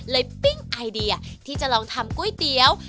ปิ้งไอเดียที่จะลองทำก๋วยเตี๋ยว